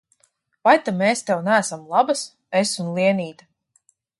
Vai ta mēs tev neesam labas, es un Lienīte?